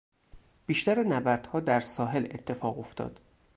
بیشتر نبردها در ساحل اتفاق افتاد.